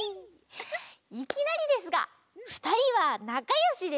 いきなりですがふたりはなかよしですか？